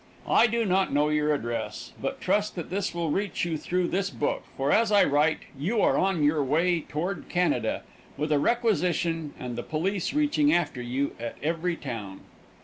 I do not know your address, but trust that this will reach you through this book, for, as I write, you are on you way toward Canada, with a requisition and the police reaching after you at every town.